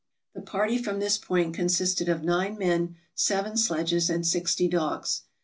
The party from this point consisted of 9 men, 7 sledges, and 60 dogs.